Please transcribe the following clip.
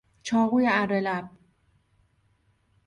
چاقوی اره لب